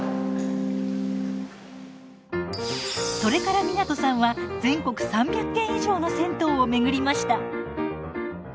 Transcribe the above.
それから湊さんは全国３００軒以上の銭湯を巡りました。